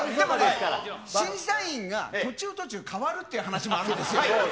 でもね、審査員が途中、途中、変わるって話もあるんですよ。